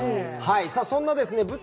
そんな舞台